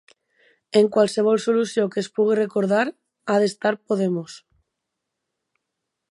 En qualsevol solució que es pugui recordar ha d’estar Podemos.